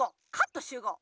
しゅうごう！